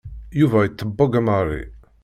Yuba iṭebbeg Marie.